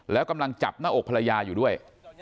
แล้วกำลังจับหน้าอกภรรยาอยู่ด้วย